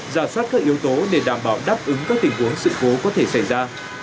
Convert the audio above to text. giả soát các yếu tố để đảm bảo đáp ứng các tình huống sự cố có thể xảy ra